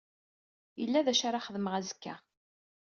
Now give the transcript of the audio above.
Yella d acu ara xedmeɣ azekka.